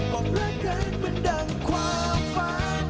บอกรักกันเหมือนดั่งความฝัน